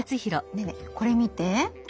ねえねえこれ見て。